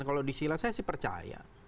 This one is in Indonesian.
kalau di sila saya sih percaya